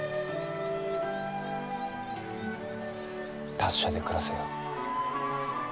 達者で暮らせよ。